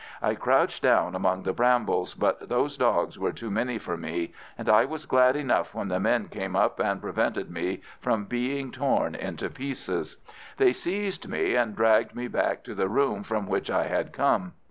I crouched down among the brambles, but those dogs were too many for me, and I was glad enough when the men came up and prevented me from being torn into pieces. They seized me, and dragged me back to the room from which I had come.